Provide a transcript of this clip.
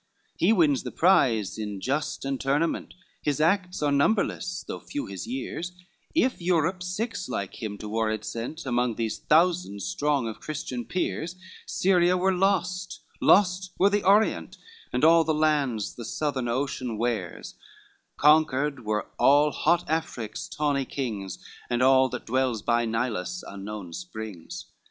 XXXVIII "He wins the prize in joust and tournament, His acts are numberless, though few his years, If Europe six likes him to war had sent Among these thousand strong of Christian peers, Syria were lost, lost were the Orient, And all the lands the Southern Ocean wears, Conquered were all hot Afric's tawny kings, And all that dwells by Nilus' unknown springs.